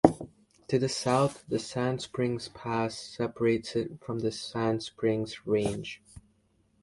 To the south, the Sand Springs Pass separates it from the Sand Springs Range.